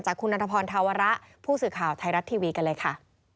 คุณนันทพรธาวระผู้สื่อข่าวไทยรัฐทีวีกันเลยค่ะ